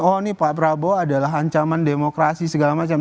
oh ini pak prabowo adalah ancaman demokrasi segala macam